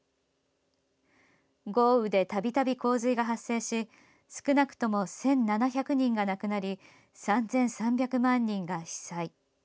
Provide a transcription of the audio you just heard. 豪雨でたびたび洪水が発生し少なくとも１７００人が亡くなり３３００万人が被災。